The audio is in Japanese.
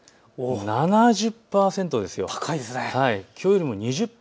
７０％です。